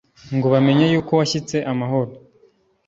Ngo bamenye y' uko washyitse amahoro